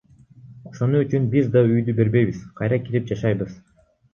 Ошону үчүн биз да үйдү бербейбиз, кайра кирип жашайбыз.